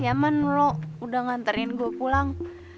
makasih ya man lo udah nganterin gue pulang